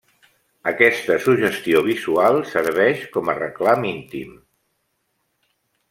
Aquesta suggestió visual serveix com a reclam íntim.